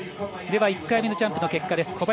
では１回目のジャンプの結果です。